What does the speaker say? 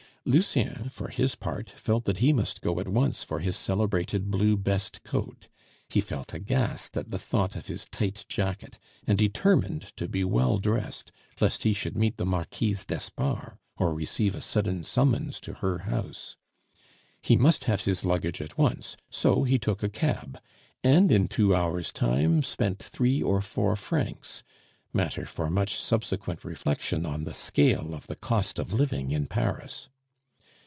Lucien, for his part, felt that he must go at once for his celebrated blue best coat; he felt aghast at the thought of his tight jacket, and determined to be well dressed, lest he should meet the Marquise d'Espard or receive a sudden summons to her house. He must have his luggage at once, so he took a cab, and in two hours' time spent three or four francs, matter for much subsequent reflection on the scale of the cost of living in Paris.